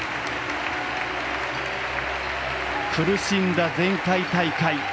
苦しんだ前回大会。